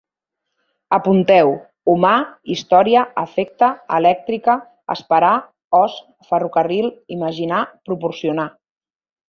Apunteu: humà, història, efecte, elèctrica, esperar, os, ferrocarril, imaginar, proporcionar